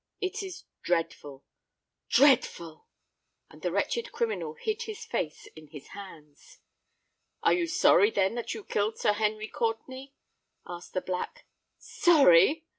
It is dreadful—dreadful!"—and the wretched criminal hid his face in his hands. "Are you sorry, then, that you killed Sir Henry Courtenay?" asked the Black. "Sorry!"